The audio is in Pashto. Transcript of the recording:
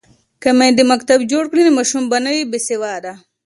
که میندې مکتب جوړ کړي نو ماشوم به نه وي بې سواده.